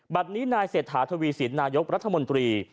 นี้นายเศรษฐาทวีสินนายกรัฐมนตรี